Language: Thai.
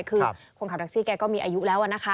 คือคนขับแท็กซี่แกก็มีอายุแล้วนะคะ